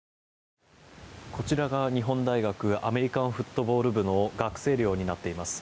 こちらが日本大学アメリカンフットボール部の学生寮になっています。